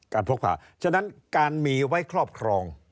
พกผ่าฉะนั้นการมีไว้ครอบครอง